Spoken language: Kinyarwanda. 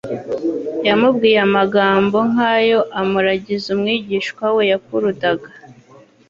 yamubwiye amagambo nk'ayo amuragiza umwigishwa we yakurudaga.